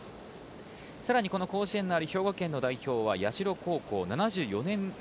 さらにこの甲子園のある兵庫県の代表は社高校７４年